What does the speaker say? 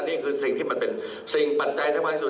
นี่คือสิ่งที่มันเป็นสิ่งปัจจัยสำคัญที่สุด